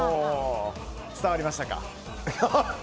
伝わりました。